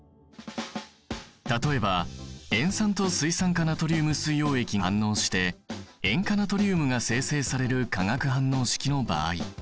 例えば塩酸と水酸化ナトリウム水溶液が反応して塩化ナトリウムが生成される化学反応式の場合。